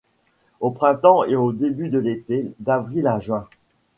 Au printemps et au début de l’été, d’avril à juin.